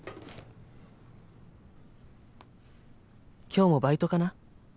「今日もバイトかな？